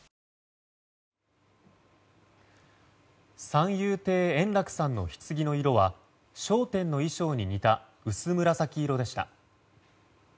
三遊亭円楽さんのひつぎの色は「笑点」の衣装に似た薄紫色でした。